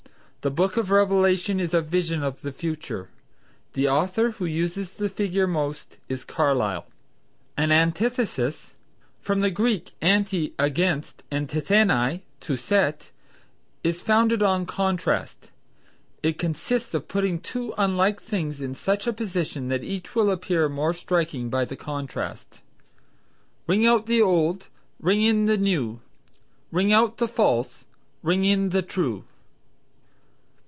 The book of Revelation is a vision of the future. The author who uses the figure most is Carlyle. An Antithesis (from the Greek anti, against, and tithenai, to set) is founded on contrast; it consists in putting two unlike things in such a position that each will appear more striking by the contrast. "Ring out the old, ring in the new, Ring out the false, ring in the true."